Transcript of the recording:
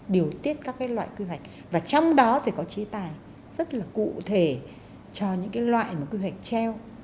điều tiết các loại quy hoạch và trong đó phải có trí tài rất là cụ thể cho những loại mà quy hoạch treo